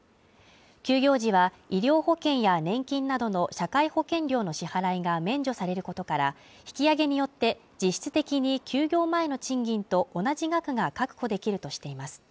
休業時は、医療保険や年金などの社会保険料の支払いが免除されることから、引き上げによって、実質的に休業前の賃金と同じ額が確保できるとしています。